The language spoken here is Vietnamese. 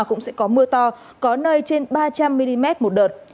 cũng sẽ có mưa to có nơi trên ba trăm linh mm một đợt